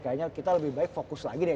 kayaknya kita lebih baik fokus lagi deh